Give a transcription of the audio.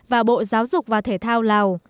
và bộ giáo dục và thể thao lào